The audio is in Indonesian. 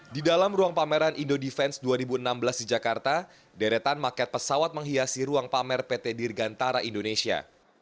di dalam ruang pameran indo defense dua ribu enam belas di jakarta deretan maket pesawat menghiasi ruang pamer pt dirgantara indonesia